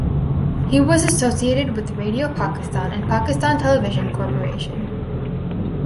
He was associated with Radio Pakistan and Pakistan Television Corporation.